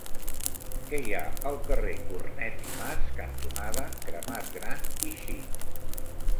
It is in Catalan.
Què hi ha al carrer Cornet i Mas cantonada Cremat Gran i Xic?